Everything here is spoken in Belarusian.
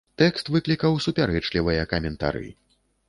Тэкст выклікаў супярэчлівыя каментары.